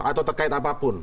atau terkait apapun